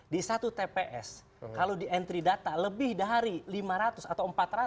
di satu tps kalau di entry data lebih dari lima ratus atau empat ratus